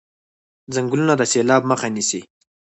ځنګلونه د سیلاب مخه نیسي.